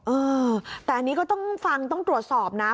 เออแต่อันนี้ก็ต้องฟังต้องตรวจสอบนะ